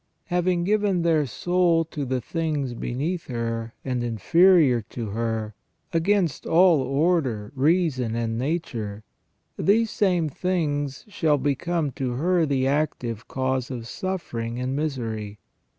Having given their soul to the things beneath her, and inferior to her, against all order, reason, and nature, these same things shall become to her the active cause of suffering and misery.